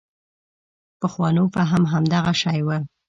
پخوانو فهم همدغه شی و.